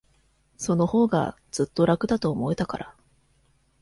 そのほうが、ずっと楽だと思えたから。